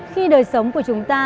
khi đời sống của chúng ta